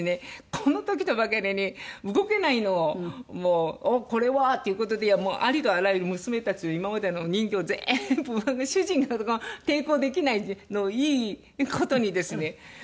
この時とばかりに動けないのをおっこれは！という事でありとあらゆる娘たちの今までの人形を全部主人が抵抗できないのをいい事にですね